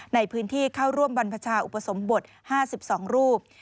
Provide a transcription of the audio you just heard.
ในพื้นที่เข้าร่วมบรรพชาอุปสมบท๕๒รูป